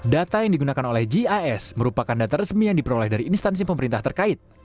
data yang digunakan oleh gis merupakan data resmi yang diperoleh dari instansi pemerintah terkait